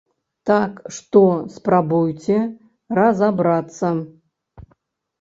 Так што спрабуйце разабрацца!